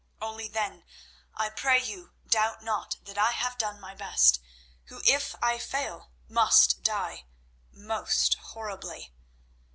Only then, I pray you, doubt not that I have done my best, who if I fail must die—most horribly.